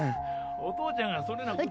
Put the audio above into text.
お父ちゃんがそねなこと。